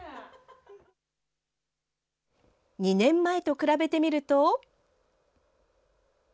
２年前と比べてみると。